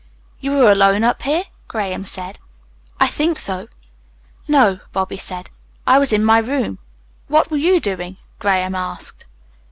"You were alone up here?" Graham said. "I think so." "No," Bobby said. "I was in my room." "What were you doing?" Graham asked.